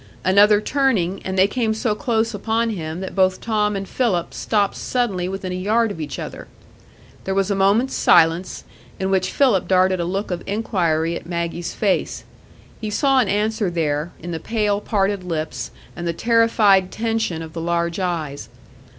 Another turning, and they came so close upon him that both Tom and Philip stopped suddenly within a yard of each other. There was a moment's silence, in which Philip darted a look of inquiry at Maggie's face. He saw an answer there, in the pale, parted lips, and the terrified tension of the large eyes.